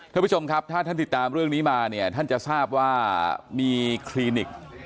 ท่านผู้ชมครับถ้าท่านติดตามเรื่องนี้มาเนี่ยท่านจะทราบว่ามีคลินิก